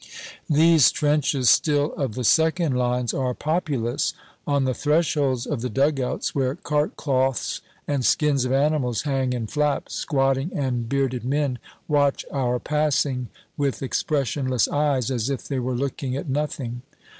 These trenches still of the second lines are populous. On the thresholds of the dug outs, where cart cloths and skins of animals hang and flap, squatting and bearded men watch our passing with expressionless eyes, as if they were looking at nothing.